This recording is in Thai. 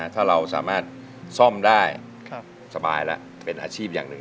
ถ้าเราสามารถซ่อมได้สบายแล้วเป็นอาชีพอย่างหนึ่ง